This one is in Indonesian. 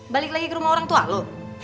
balik lagi ke rumah orang tua lo